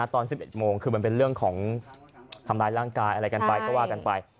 ตอน๑๑โมงคือมันเป็นเรื่องของทำร้ายร่างกายอะไรกันไปก็ว่ากันไป